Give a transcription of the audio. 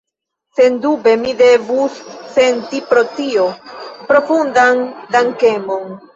Sendube mi devus senti pro tio profundan dankemon.